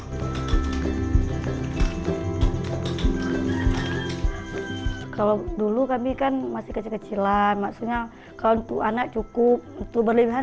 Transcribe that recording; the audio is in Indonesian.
berantakan produk kemasan uang